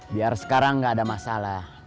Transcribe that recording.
biar sekarang nggak ada masalah